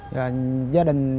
và gia đình